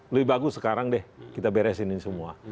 lebih bagus sekarang deh kita beresin ini semua